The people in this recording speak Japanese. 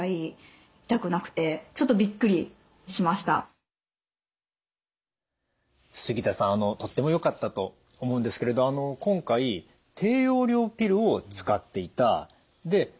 自分でこう杉田さんとってもよかったと思うんですけれど今回低用量ピルを使っていたで漢方に乗り換えた。